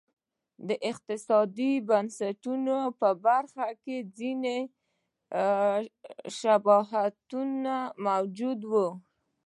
د اقتصادي بنسټونو په برخه کې ځیني شباهتونه موجود و.